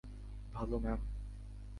ভালো ম্যাম।